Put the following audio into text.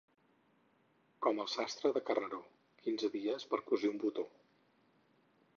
Com el sastre del Carreró, quinze dies per cosir un botó.